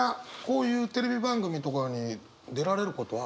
こういうテレビ番組とかに出られることは。